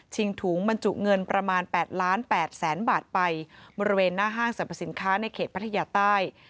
ถุงบรรจุเงินประมาณ๘ล้าน๘แสนบาทไปบริเวณหน้าห้างสรรพสินค้าในเขตพัทยาใต้